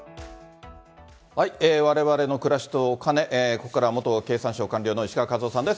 われわれの暮らしとお金、ここからは元経産省官僚の石川和男さんです。